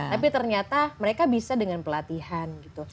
tapi ternyata mereka bisa dengan pelatihan gitu